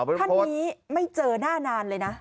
ท่านนี้ไม่เจอหน้านานเลยนะ